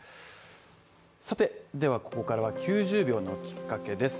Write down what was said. さて、ではここからは９０秒のきっかけです